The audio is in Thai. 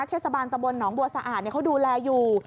เทศบาลตะบลหนองบัวสะอาดเขาดูแลอยู่